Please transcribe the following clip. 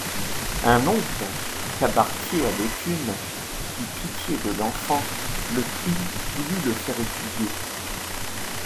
Un oncle, cabaretier à Béthune, eut pitié de l'enfant, le prit, voulut le faire étudier.